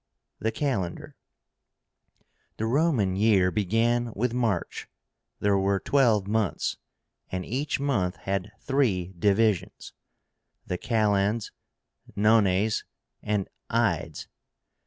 THE CALENDAR. The Roman year began with March. There were twelve months, and each month had three divisions, the KALENDS, NONES, and IDES.